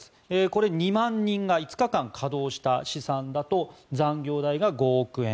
これ、２万人が５日間稼働した試算だと残業代が５億円